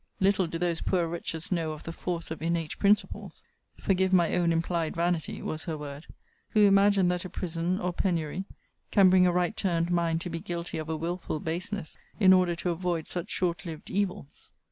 Little do those poor wretches know of the force of innate principles, (forgive my own implied vanity, was her word,) who imagine, that a prison, or penury, can bring a right turned mind to be guilty of a wilful baseness, in order to avoid such short lived evils.